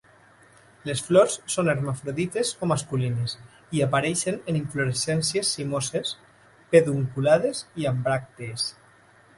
Les flors són hermafrodites o masculines i apareixen en inflorescències cimoses, pedunculades i amb bràctees.